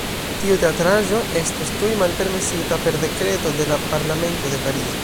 Tiu teatraĵo estos tuj malpermesita per Dekreto de la Parlamento de Parizo.